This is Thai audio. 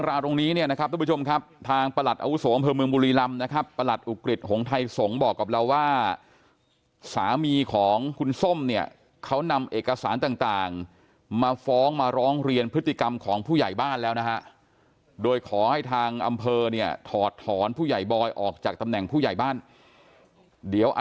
ถ้าที่ได้ยินเช้าบ้านคนอื่นพูดนะคะเขาเจ้าชู้อยู่เลย